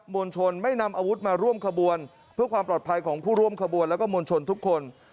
วลชนไม่นำอาวุธมาร่วมขบวนเพื่อความปลอดภัยของผู้ร่วมขบวนแล้วก็มวลชนทุกคน